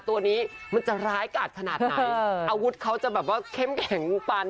ไม่มีใครรู้ว่ายุเป็นใคร